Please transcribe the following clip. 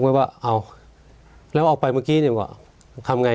ก็ว่าเอาแล้วออกไปเมื่อกี้ดีกว่าทำไง